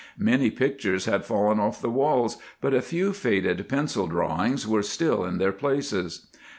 Many pictures had fallen off the walls, but a few faded pencil drawings were still in their places.